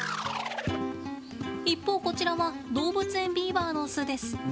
一方こちらは動物園ビーバーの巣です。